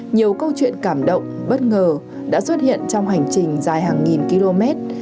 nhiều câu chuyện cảm động bất ngờ đã xuất hiện trong hành trình dài hàng nghìn km